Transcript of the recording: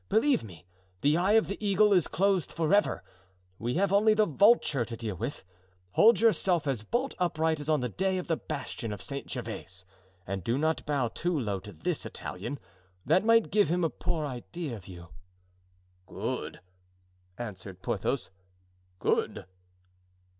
Believe me, the eye of the eagle is closed forever. We have only the vulture to deal with. Hold yourself as bolt upright as on the day of the bastion of St. Gervais, and do not bow too low to this Italian; that might give him a poor idea of you." "Good!" answered Porthos. "Good!"